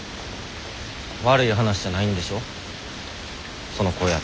悪い話じゃないんでしょその声やと。